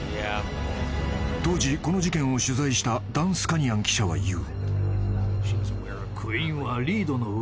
［当時この事件を取材したダン・スカニアン記者は言う］